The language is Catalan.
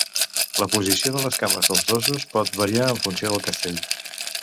La posició de les cames dels dosos pot variar en funció del castell.